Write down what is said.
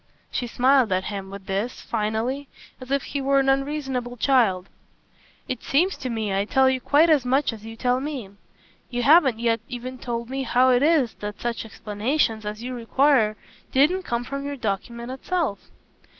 She smiled at him, with this, finally, as if he were an unreasonable child. "It seems to me I tell you quite as much as you tell me. You haven't yet even told me how it is that such explanations as you require don't come from your document itself."